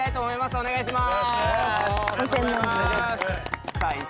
お願いします。